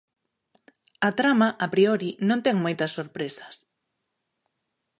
A trama, a priori, non ten moitas sorpresas.